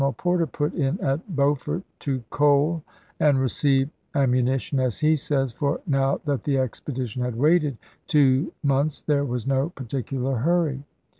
Porter put in at Beaufort to " coal and receive am « Navai munition," as he says, "for now that the expedition of the had waited two months there was no particular Civil Var," p. 693. hurry."